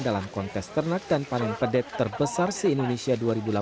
dalam kontes ternak dan panen pedet terbesar se indonesia dua ribu delapan belas